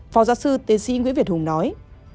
phó giáo sư t c nguyễn việt hùng nói